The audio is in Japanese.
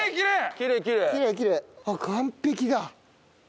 あっ完璧だ。